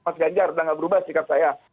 mas ganjar sudah tidak berubah sikap saya